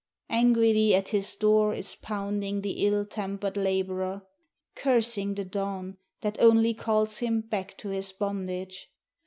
Angrily at his door is pounding the ill tempered laborer, Cursing the dawn that only calls him back to his bondage.